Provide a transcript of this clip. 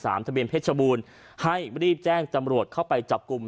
ทะเบียนเพชรบูรณ์ให้รีบแจ้งจำรวจเข้าไปจับกลุ่ม